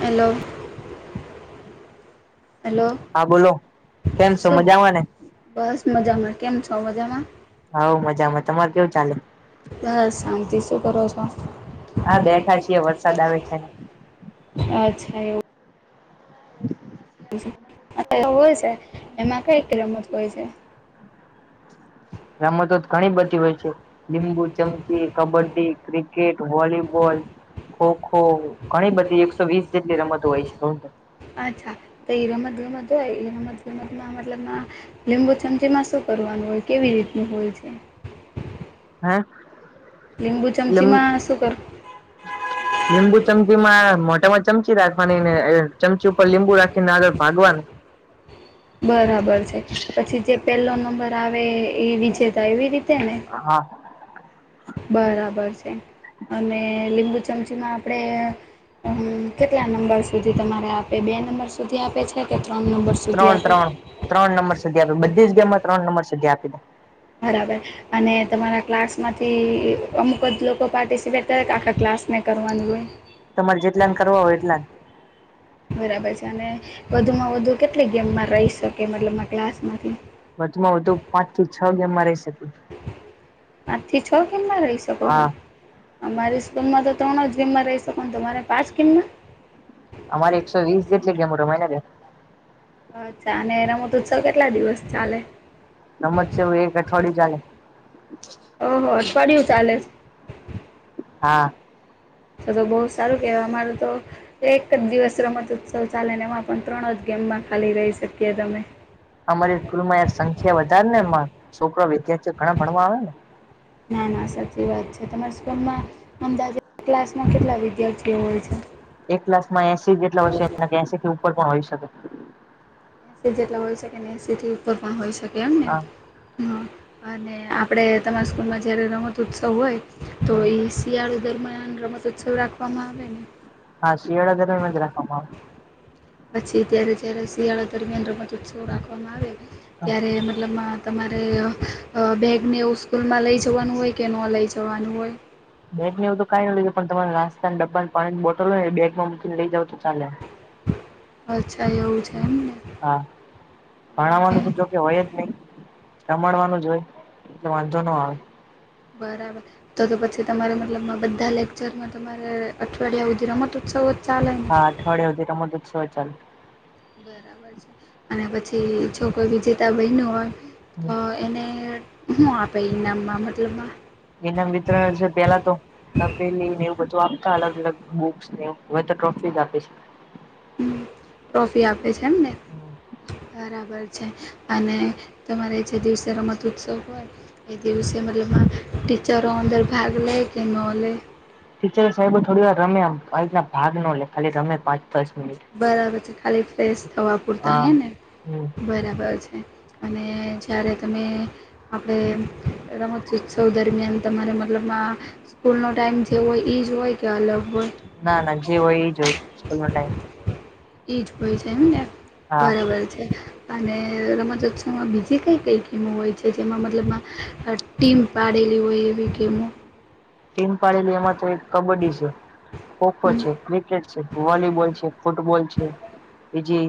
Hello. Hello હા બોલો કેમ છો મજામાં ને બસ મજામાં કેમ છો? મજામાં. હઉ મજામાં તમાર કેવું ચાલે?? બસ શાંતિ શું કરો છો? હા બેઠા છીએ વરસાદ આવે છે ને. [unintelligible] અચ્છા એવું અ તો હોય છે એમાં કઈ‌ કંઈ રમત હોય છે? [unintelligible] ઘણી બધી હોય છે લીંબુ ચમચી, કબડ્ડી, ક્રિકેટ, વોલીબોલ ખોખો ઘણી બધી એકસો વીસ જેટલી રમતો હોય છે. અચ્છા તો એ રમત ગમત હોય એ રમત ગમત માં મતલબ આ લીંબુ ચમચી માં શું કરવાનું હોય કેવી રીતનું હોય છે? હે લિંબુ ચમચી માં શું કરવું? લીંબુ ચમચીમાં મોઢામાં ચમચી રાખવાનીને ચમચી ઉપર લીંબુ રાખીને આગળ ભાગવાનું હ બરાબર છે પછી જે પેલો નંબર આવે એ વિજેતા એવી રીતે ને હા બરાબર છે અને લીંબુ ચમચીમાં આપણેે કેટલા નંબર સુધી તમારે આપે બે નંબર સુધી આપે છે કે ત્રણ નંબર સુ ત્રણ ત્રણ ત્રણ નંબર સુધી આપી બધી જ ગેમમાં ત્રણ નંબર સુધી આપી દે બરાબર અને તમારા ક્લાસમાંથી અમુક જ લોકો પાર્ટિસિપેટ કરે કે આખા ક્લાસને કરવાનું હોય? તમારે જેટલાને કરવા હોય એટલાને બરાબર છે અને વધુમાં વધુ કેટલી ગેમમાં રહી શકે મતલબમાં ક્લાસમાંથી?? વધુમાં વધુ પાંચ થી છ ગેમમાં રહી શકે પાંચ થી છ ગેમમાં રહી શકો છો! હા અમારી સ્કૂલમાં તો ત્રણ જ ગેમમાં રહી શકો તો તમારે પાંચ ગીમમાં અમારે એકસો વીસ જેટલી ગેમો રમાય‌ ને બેન અચ્છા અને રમતોઉત્સવ કેટલા દિવસ ચાલે રમતસેવું એક અઠવાડિયું ચાલે ઓહ અઠવાડિયું ચાલે હા તો તો બહુ સારું કેવાય અમારે તો એક જ દિવસ રમત ઉત્સવ ચાલે ને એમાં પણ ત્રણ જ ગેમમાં ખાલી રહી શકીએ તમે અમારી સ્કૂલ માં યાર સંખ્યા વધારે ને છોકરા વિદ્યાર્થીઓ ઘણા ભણવા આવે ને ના ના સાચી વાત છે તમારા સ્કૂલમાં અમદાવાદ ક્લાસમાં કેટલા વિદ્યાર્થીઓ હોય છે એક કલાસ માં એસિ જેટલા હોશે એસડથી ઉપર પણ હોય શકે એસી જેટલા હોઈ શકે ને એસીથી ઉપર પણ હોઈ શકે એમ ને હા હ અને આપણે તમારા સ્કૂલમાં જ્યારે રમતો ઉત્સવ હોય તો એ શિયાળો દરમ્યાન રમતોત્સવ રાખવામાં આવે હા શિયાળા દરમિયાન જ રાખવામાં આવે. પછી ત્યારે જ્યારે શિયાળા દરમિયાન રમતો ઉત્સવ રાખવામાં આવે આવે ત્યારે મતલબ તમારે બેગને એવું સ્કૂલમાં લઈ જવાનું હોય કે ન લઈ જવાનું હોય બેગ ને એવું કઈ ન લઈે પણ તમારે નાસ્તા ડબ્બાની પાણીની બોટલ હોય એ બેગ માં મૂકીને લઈ જાવ તો ચાલે. અચ્છા એવું છે એમને હા અને ભણવાનું જો કે હોય જ નહી. રમાડવાનું જ હોય એટલે વાંધો ન આવે બરાબર તો તો પછી તમારે મતલબ બધા લેક્ચરમાં તમારે અઠવાડિયા સુધી રમતો ઉત્સવ હા અઠવાડિયા હુધી રમત ઉત્સવ જ ચાલે. બરાબર છે અને પછી જો કોઈ વિજેતા બયનું હોય તો [inaudible] એને હું આપે ઇનામમાં મતલબમા ઇનામવિતરણ છે પેલા તો તપેલી ને એવું બધું આપતા અલગ અલગ બુક્સ ને એવું હવેતો ટ્રોફી જઆપે છે. હમ ટ્રોફી આપે છે એમને બરાબર છે અને તમારે જે દિવસે રમત ઉત્સવ હોય એ દિવસે મતલબમા ટીચરો અંદર ભાગ લે કે ન લે ટીચર સાહેબો થોડી વાર રમે્યા આ રીતના ભાગ નો લે ખાલી રમે પાંચ દશ મિનિટ બરાબર છે ખાલી ફ્રેશ થવા પૂરતા હા હે ને હમ બરાબર છે. અને જ્યારે તમે આપણે રમત ઉત્સવ દરમિયાન તમારે મતલબમાં સ્કૂલ નો ટાઈમ જેબો હોય ઈજ હોય કે અલગ હોય? ના ના જે હોય એ જો હોય સ્કૂલ નો ટાઈમ. એ જ હોય છે એમ ને હા બરાબર છે. અને રમતોત્સવમાં બીજી કંઈ કંઈ ગેમો હોય છે જેમાં મતલબમાં ટીમ પાડેલી હોય એવી ગેમો. ટીમ પાડેલી એમાં તો એક કબડ્ડી છે ખોખો હમ. છે ક્રિકેટ છે વોલીબોલ છે. ફૂટબોલ છે બીજી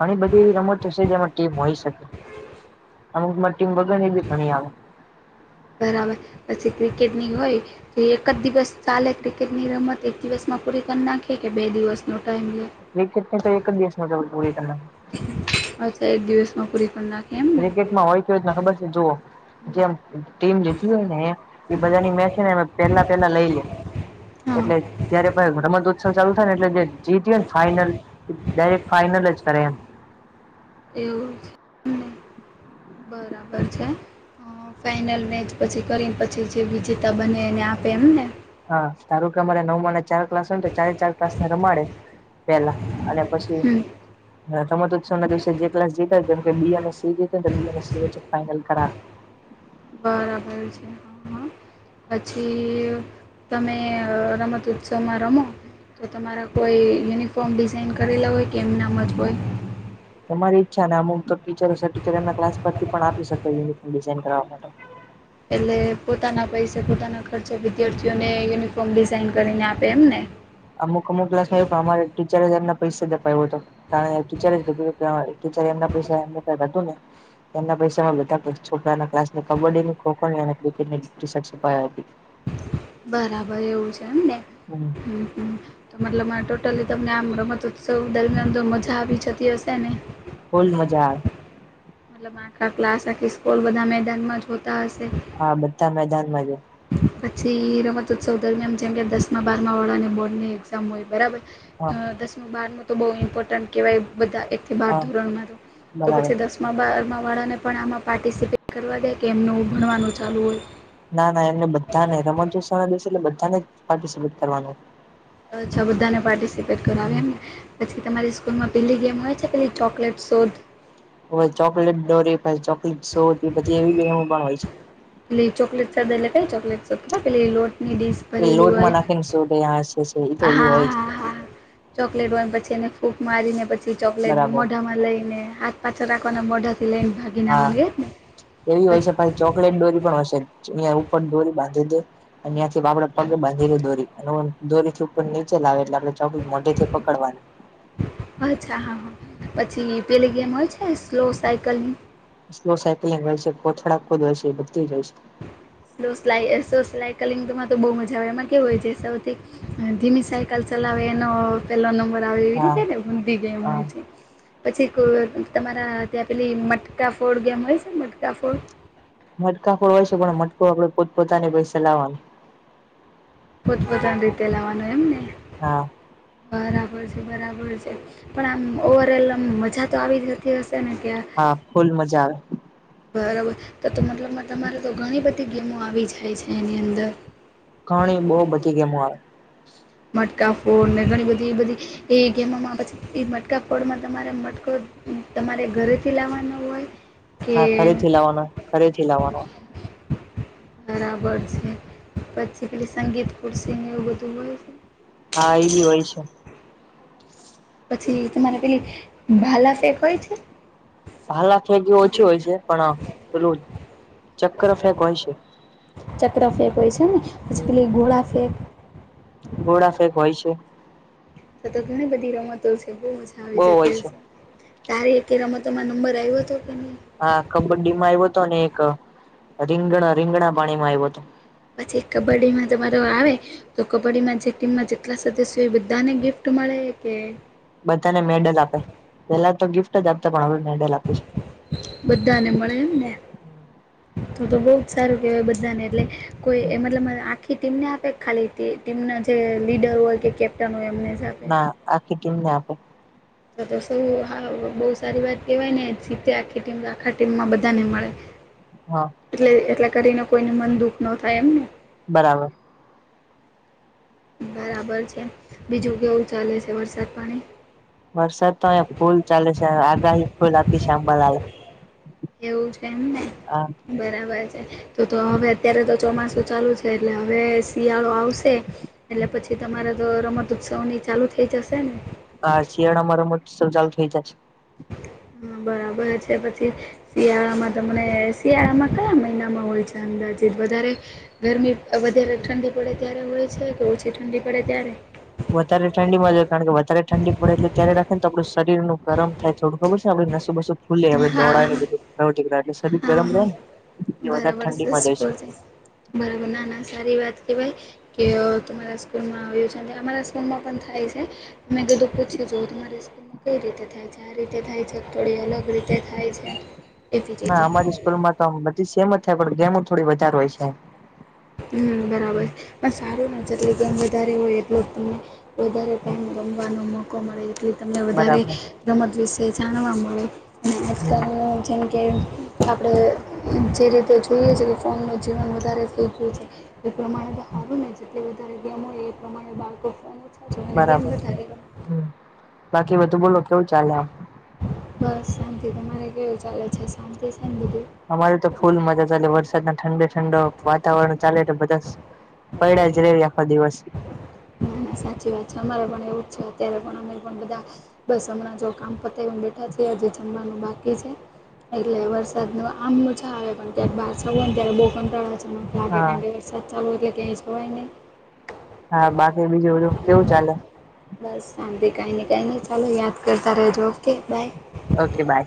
ઘણી બધી એવી રમતો છે જેમાં ટીમ હોય શકે અમુક ટીમ વગરની બી ઘણી આવે. બરાબર પછી ક્રિકેટની હોય જે એક જ દિવસ ચાલે ક્રિકેટની રમત એક દિવસમાં પૂરી કરી નાખી કે બે દિવસનો ટાઈમ લે ક્રિકેટની તો એક જ દિવસમાં પૂરી કર નાંખે. અચ્છા એક દિવસમાં પૂરી કર નાંખે એમ ને ક્રિકેટમાં હોય કેવી રીતના ખબર છે જુઓ હમ, જેમ ટીમ લીધી હોય ને એમ બધાની મેચ છે ને પેલા પેલા લઈ લે. હા એટલે જ્યારે રમતો ઉત્સવ ચાલુ થાય ને એટલે જે જીતી હોય ને ફાઈનલ ડાયરેક્ટ ફાઇનલ જ કરે એમ. એવું છ. બરાબર છે. અહ ફાઈનલ મેચ પછી કરીને પછી જે વિજેતા બને એને આપે એમને? હા તારું કે અરે નવ ના ચાર ક્લાસ હોય તો ચારે ચાર ક્લાસ ને રમાડે પેલા અને પછી હમ હે તમે તો છ ના દિવસે જે ક્લાસ જીતા હોય કે કે બી અને સી જીતી તો બી અને સી વચ્ચે ફાઈનલ કરાવે‌. બરાબર છે. હા, હા. પછી તમે અહ રમત ઉત્સવમાં રમો તો તમારા કોઈ યુનિફોર્મ ડિઝાઇન કરેલા હોય કે એમ નામ જ હોય? તમારી ઈચ્છા ને હું તો ટીચર ટીચર એમના ક્સ પર થી પણ આપી શક યુનિફોર્મ ડિઝાઇન કરવવા માટે. એટલે પોતાના પૈસા પોતાના ખર્ચા વિદ્યાર્થી, ઓને યુનિફોર્મ ડિઝઇન કરીને આપે એમ ને? અમુક અમુક ક્લાસમાં એવું પણ અમારે ટીચરે એમને પૈસા જ અપાવ્યો હતો કાર ટીચરે જ કીધું એ ત્યાં ટીચર એમના પૈસા એમને કઈ હતું ને તો એના પૈસામાં બધા છોકરા ક્સ ને કબડ્ડી ખોખો અને ક્રિકેટ ની ટીશર્ટસ અપાય આપી. બરાબર એવું છે એમ ને? હમ્મ. હમ્મ, હમ્મ. તો મતલબ આ ટોટલી તમને આમ રમત ઉત્સવ દરમિયાન તો મજા આવી જતી હશે ને? ફુલ મજા આવે. મતલબ આખા ક્લાસ આખી સ્કૂલ બધા મેદાનમાં હોતા હશે? હા, બધા મેદાનમાં જ હોય. પછી રમતોત્સવ દરમિયાન જેમ કે દસ બારમા વડાને બોર્ડ ની એક્ઝામ હોય બરાબર. હા અહ દસમું બાર નું તો બહુ ઇમ્પોર્ટન્ટ કવાય બધા એક થી બાર હા ધોરણ મારું તો બરાબર પછી દસ માં બારમાં વાળાને પણ આમાં પાર્ટિસિપેટ કરવા દે કે એમનું ભણવાનું ચાલુ હોય? ના ના એમને બધાને રમત જો શાળા દેશે એટલે બધાને પાર્ટિસપેટ કરવાનું. અચ્છા બધાને પાર્ટિસિપેટ કરાવી હમ એમને? પછી તમારી સ્કૂલમાં પેલી ગેમ હોય છે પેલી ચોકલેટ શોધ હો ચોકલેટ ડોરી પાહિ ચોકલેટ શો બધી એવી ગેમો પણ હોય છે. લી ચોકલેટ બે લેવલ કઈ ચોકલેટ છે ખબર પેલી લોટ ની ડીસ. એ ભરેલી લોટમાં હોય નાખીને શોધે આ છે છે એ તો એ હા હોય જ હા હા. ચોકલેટ હોયને પછી એને ફૂક મારીને પછી ચોકલેટ બરાબર મોઢામાં લઈને હા પાછળ રાખવાના મોઢેથી લઇ ભાગીન હા આવવાનું એજ ને? એવી હોય છે પછી ચોકલેટ ડોરી પણ હશે અહીંયા ઉપર ડોરી બાંધી દે. અને ત્યાંથી આપડે પગે બાંધી દોરી અને દોરી થી ઉપર નીચે લાવે એટલે આપડે તોભી મોઢે કે પકડવાના. અચ્છા હા હા પછી પેલી ગેમ હોય છે સ્લો સાયકલ ની સ્લો સાયક્લિંગ હોય છે કોથડા કુદ જશે હોય છે બધુજ હોય છે. સ્લો સ્લાઇ એસો સ્લાયકલિંગમાં તો બહુ મજા આવે એમાં કેવું હોય છે સૌથી અમ્મ ધીમી સઇકલ ચલાવેે એનો પેલો નંબર આવે એવી હા રીતે ને ઊંધી ગેમ હા હોય છે. પછી કોઈ તમારા ત્યાં પેલી મટકા ફોડ ગેમ હોય છે મટકા ફોડ? મટકા ફોડ હોય છે પણ મટકુ આપડે પોતપોતાની પૈસે લાવાનું. પોતપતાની રીતે લાવાનું એમને હા બરાબર છે બરાબર છે. પણ આમ ઓવરઓલ આમ મજા તો આવીજ હતી હશે ને ત્યાં હા, ફૂલ મજા આવે. બરાબર તો તો મતલબ તમારે તો ઘણી બધી ગેમો આવી જાય છે એની અંદર. ઘણી બહુ બધી ગેમો આવે. મટકા ફોડ ને ઘણી બધી એવી બધી એ ગેમોમાં પછી એ મટકા ફોડમાં તમારે મટકો તમારે ઘરેથી લાવવાનો હોય? કે હા ઘરેથી લાવવાનો ઘરેથી લાવવાનો બરાબર છે પછી પેલી સંગીત ખુરશી એવું બધું હોય છે. હા એ બી હોય છે. પછી તમારે પેલી ભાલા ફેક હોય છે. ભાલા ફેક એ ઓછી હોય છે પણ પેલું ચક્ર ફેક હોય છે. ચક્ર ફેંક હોય છે ને પછી હમ પેલી ગોળા ફેંક ગોળા ફેક હોય છે. તો તો ઘણી બધી રમતો છે બહું મજા આવી બહુ હોય જતી છે હશે. તારે એકય રમતોમાં નંબર આવ્યો હતો કે નહી. હા કબડ્ડી માં આવ્યો હતો ને એક રીંગણ રીંગણા પાણીમાં આવ્યો હતો. પછી કબડ્ડીમાં તમારો આવે તો કબડ્ડી માં જે ટીમમાં જેટલા સદસ્યો હોય એ બધાને ગિફ્ટ મળે કે બધાને મેડલ આપે પેલા તો ગિફ્ટ જ આપતા પણ હવે મેડલ આપે છે. બધાને મળે એમને તોતો બહુ સારું કેહવાય બધાને દે કોઈએ [unintelligible] આખી ટીમને આપે ખાલી ટીમના જે લીડર હોય કે કેપ્ટન હોય એમને આપે ના આખી ટીમને આપે. તો તો સૌ બહુ સારી વાત કેહેવાય ને જીતે આખી ટીમ આખા ટીમમાં બધાને મળે હા એટલે એટલા કરીને કોઈને મન દુઃખ ન થાય એમ ને બરાબર બરાબર છે બીજું કેવું ચાલે છે વરસાદ પાણી વરસાદ તો અહીં ફૂલ ચાલે છે આગાહી ફૂલ આપી છે આંબાલાલે એવું છે એમને હા બરાબર છે. તો તો હવે અત્યારે તો ચોમાસું ચાલુ છે એટલે હવે શિયાળો આવશે. એટલે પછી તમારે તો રમત ઉત્સવની ચાલુ થઈ જશે ને હ શિયાળ અમારા મત સ ચાલુ થઈ જાય છે હા બરાબર છે પછી શિયાળામાં તમને શિયાળામાં કયા મહિનામાં હોય છે અંદાજીિત વધારે ગરમી વધારે ઠંડી પડે ત્યારે હોય છે કે ઓછી ઠંડી પડે ત્યારે વધારે ઠંડી માં જ કારણ કે વધારે ઠંડી પડે એટલે ત્યારે રાખે ને તો આપણું શરું ગરમ થાય થોડું ખબર છેને આપડે નસુબસું ખુ આપણે હા દોડાયે હા બધું નક એટલે શરીર ગરમ રહે ને એ વધારે બરાબરષ ઠંડીમાં જાય છે સ્કૂલ બરા ના ના સારી વાત કેહે ભય કે તમારા સ્કૂલમાં આવ્યું છે અને અમારા સ્કૂલમાં પણ થાય છે મેં બધું પૂછી જુ તમારી સ્કૂલમાં કઈ રીતે થાય છે ક રીતે થાય છે થોડી અલગ રીતે થાય છે એવી જ ના રીતે અમારી સ્કૂલ માં તો બધી સેમ જ થાય પણ ગેમો થોડી વધારે હોય છે હમ બરાબર પણ સારું ને જેટલે ગમ વધારે હોય એટલો તને વધારે ટાઈમ રમવાનો મોકો મળે એટલી તમને વધારે બરાબર રમત વિશે જાણવા મળે હમ અને આજકાલ જેમ કે આપણે જે રીતે જોઈએ છે કે ફોનનું જીવન વધારે ફઈ ગું છે એ પ્રમાણે સારું ને જેટલી વધારે ગેમ હોય એ પ્રમાણે બાળકો ફોન જ બરાબર હ બાકી બધું બોલો કેવું ચાલે આમ બસ શાંતિ તમારે કેવું ચાલે છે શાંતિ શાંતિથી અમારી તો ફૂલ મજા ચાલે વરસાદ ના ઠંડે ઠંડો વાતાવરણ ચાલેટલે બધા પૈડ્યા જ રવી આખો દિવસ ના ના સાચી વાત છે અમારે પણ એવું જ છે અત્યારે પણ અમે પણ બધા બસ હમણાં જો કામ પતા એ બેઠા છએ આજે જમવાનું બાકી છે એટલે વરસાદ ન આમ મછા આવે પણ તક બહાર છવ ને ત્યારે બહુ કંટાળા છે લલાગે ક હા વ ચાલો એટલે કે વચકોવાને હા બાકી બીજું બધું કેવું ચાલે? બસ સાંભળી કાંઈ ને કાંઈ નહી ચાલો યાદ કરતા રહેજો ઓકે બાય ઓકે બાય